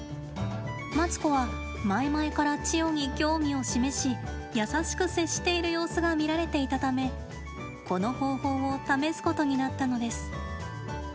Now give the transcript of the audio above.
マツコは前々からチヨに興味を示し、優しく接している様子が見られていたため、この方法を試すことになったのです。